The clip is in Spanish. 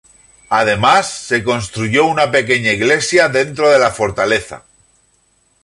Además, se construyó una pequeña iglesia dentro de la fortaleza.